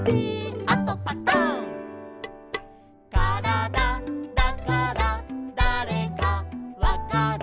「あとパタン」「からだだからだれかわかる」